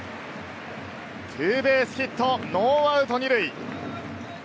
ツーベースヒット、ノーアウト２塁。